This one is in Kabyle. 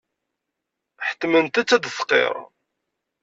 Ḥettment-tt ad d-tqirr.